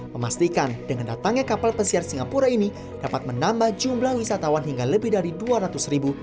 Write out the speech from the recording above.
memastikan dengan datangnya kapal pesiar singapura ini dapat menambah jumlah wisatawan hingga lebih dari dua ratus ribu